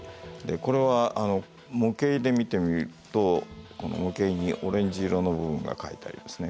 これは模型で見てみると模型にオレンジ色の部分が書いてありますね。